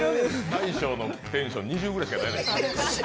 大昇のテンション、２０くらいしかないのよ。